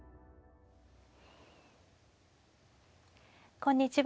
こんにちは。